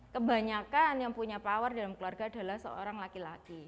kebanyakan yang punya power dalam keluarga adalah seorang laki laki